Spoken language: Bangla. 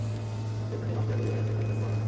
যেখানেই মাছটি হারিয়ে যাবে, সেখানেই তাকে পাওয়া যাবে।